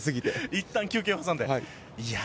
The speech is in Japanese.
いったん休憩をはさんで。